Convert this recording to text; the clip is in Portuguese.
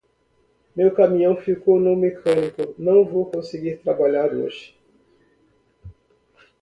Meu caminhão ficou no mecânico, não vou conseguir trabalhar hoje.